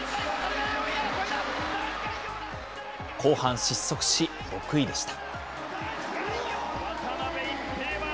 後半、失速し、６位でした。